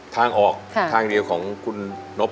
ทางออกทางเดียวของคุณนบ